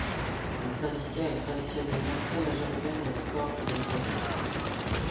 Le syndicat est traditionnellement très majoritaire dans les corps qu'il représente.